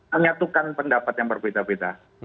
menyatukan pendapat yang berbeda beda